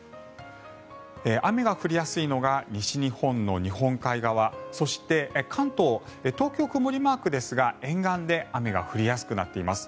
雨が降りやすいのが西日本の日本海側そして、関東東京は曇りマークですが沿岸で雨が降りやすくなっています。